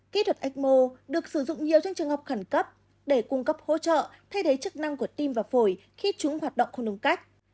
kỹ thuật ecmo được sử dụng nhiều trong trường hợp khẩn cấp để cung cấp hỗ trợ thay thế chức năng của tim và phổi khi chúng hoạt động không đúng cách